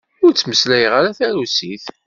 Ur ttmeslayeɣ ara tarusit.